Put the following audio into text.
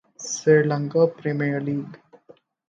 Sri Lanka Premier League